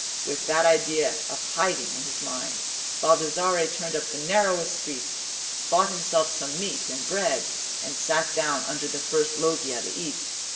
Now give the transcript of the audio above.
With that idea of hiding in his mind, Baldassarre turned up the narrowest streets, bought himself some meat and bread, and sat down under the first loggia to eat.